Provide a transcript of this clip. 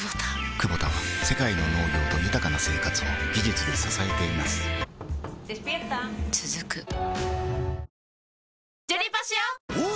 クボタは世界の農業と豊かな生活を技術で支えています起きて。